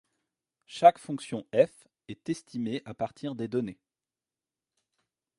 Chaque fonction ƒ est estimée à partir des données.